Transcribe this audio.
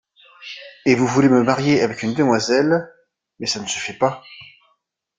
Et vous voulez me marier avec une demoiselle ; mais ça ne se fait pas.